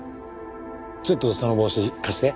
ちょっとその帽子貸して。